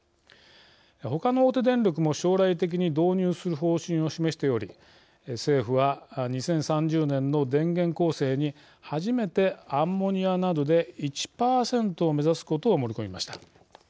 ほかの大手電力も将来的に導入する方針を示しており政府は２０３０年の電源構成に初めてアンモニアなどで１％を目指すことを盛り込みました。